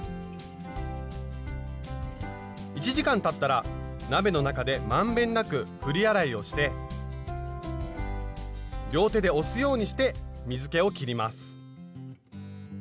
１時間たったら鍋の中で満遍なく振り洗いをして両手で押すようにして水けをきります。